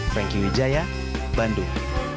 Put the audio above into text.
franky wijaya bandung